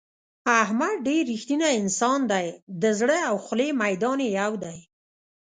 احمد ډېر رښتینی انسان دی د زړه او خولې میدان یې یو دی.